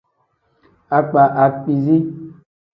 Akpa akpiizi.